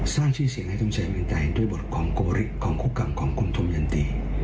สร้างชื่อเสียงให้ธมชัยเมืองใจด้วยบทของโกรธิของคุกกรรมของคุณธมยันตี